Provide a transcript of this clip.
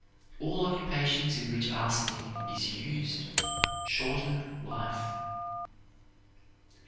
All occupations in which arsenic is used shorten life. Dr.